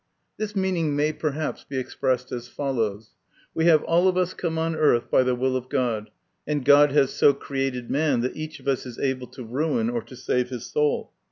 This meaning may, perhaps, be expressed as follows : We have all of us come on earth by the will of God, and God has so created man that each of us is able to ruin or to save his soul.